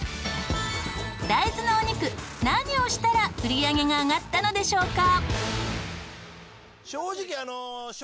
大豆のお肉何をしたら売り上げが上がったのでしょうか？